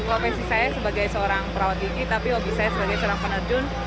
profesi saya sebagai seorang perawat gigi tapi hobi saya sebagai seorang penerjun